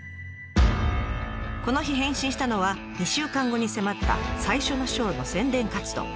この日変身したのは２週間後に迫った最初のショーの宣伝活動。